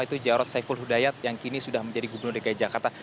yaitu jarod saiful hudayat yang kini sudah menjadi gubernur dki jakarta